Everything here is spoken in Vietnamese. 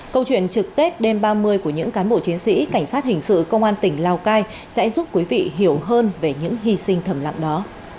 câu chuyện trực tết đêm ba mươi của những cán bộ chiến sĩ cảnh sát hình sự công an tỉnh lào cai sẽ giúp quý vị hiểu hơn về những hy sinh thầm lặng đó